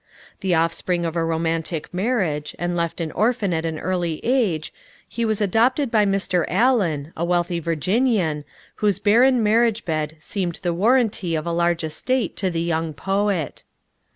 The offspring of a romantic marriage, and left an orphan at an early age, he was adopted by Mr. Allan, a wealthy Virginian, whose barren marriage bed seemed the warranty of a large estate to the young poet.